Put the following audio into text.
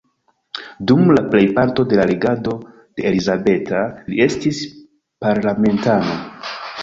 Dum la plejparto de la regado de Elizabeta li estis parlamentano.